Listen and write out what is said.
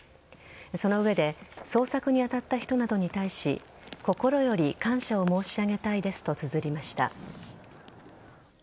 その上で捜索に当たった人などに対し心より感謝を申し上げたいですとつづりました。